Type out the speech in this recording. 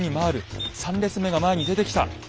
３列目が前に出てきた。